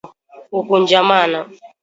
Ngozi kuvimba na kukunjamana